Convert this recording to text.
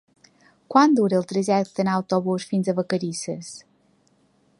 Quant dura el trajecte en autobús fins a Vacarisses?